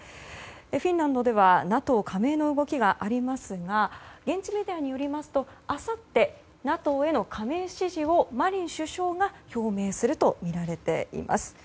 フィンランドではＮＡＴＯ加盟の動きがありますが現地メディアによりますとあさって、ＮＡＴＯへの加盟支持をマリン首相が表明するとみられています。